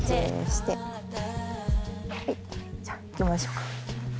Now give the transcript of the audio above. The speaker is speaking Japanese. じゃあ行きましょうか。